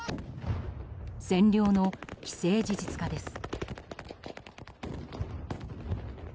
占領の既成事実化です。